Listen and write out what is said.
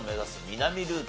南ルート